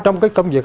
trong cái công việc